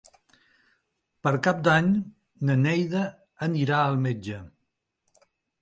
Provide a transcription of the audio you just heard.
Per Cap d'Any na Neida anirà al metge.